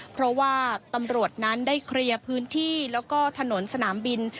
เพราะว่าตำรวจนั้นได้เคลียร์พื้นที่แล้วก็ถนนสนามบิน